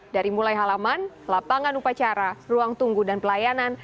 dari mulai halaman lapangan upacara ruang tunggu dan pelayanan